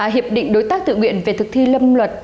hiệp định đối tác tự nguyện về thực thi lâm luật